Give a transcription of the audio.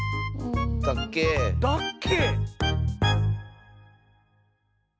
だっけ？だっけ？